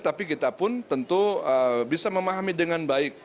tapi kita pun tentu bisa memahami dengan baik